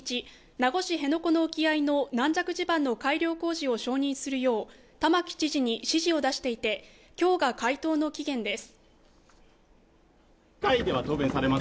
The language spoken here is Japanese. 名護市辺野古の沖合の軟弱地盤の改良工事を承認するよう玉城知事に指示を出していてきょうが回答の期限です